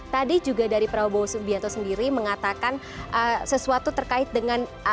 tadi juga dari prabowo subianto sendiri mengatakan sesuatu terkait dengan